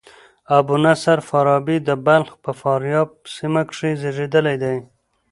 ابو نصر فارابي د بلخ په فاریاب سیمه کښي زېږېدلى دئ.